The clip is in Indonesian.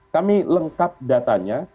kami lengkap datanya